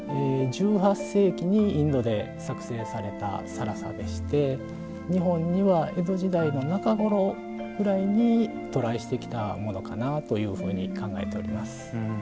１８世紀にインドで作製された更紗でして日本には江戸時代の中頃ぐらいに渡来してきたものかなというふうに考えております。